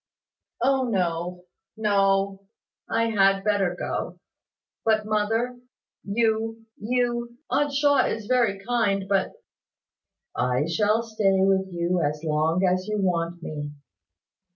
"O no, no! I had better go. But, mother, you you aunt Shaw is very kind, but " "I shall stay with you as long as you want me."